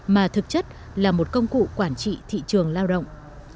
mà thực chất là một công cụ quản trị thị trường lao động